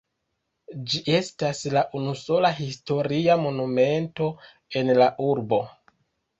Ĝi estas la unusola historia monumento en la urbo.